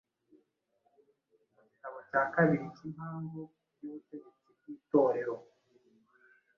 Mu gitabo cya kabiri cy'Impamvu y'Ubutegetsi bw'Itorero,